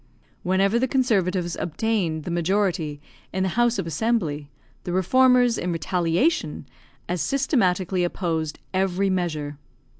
Whenever the conservatives obtained the majority in the House of Assembly, the reformers, in retaliation, as systematically opposed every measure.